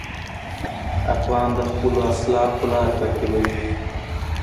افغان د خپلو اسلافو لار تعقیبوي.